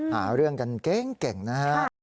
หาเรื่องกันเก่งนะฮะ